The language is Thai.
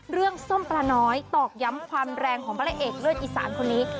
ส้มปลาน้อยตอกย้ำความแรงของพระเอกเลือดอีสานคนนี้